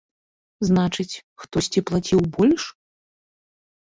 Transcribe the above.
Значыць, хтосьці плаціў больш!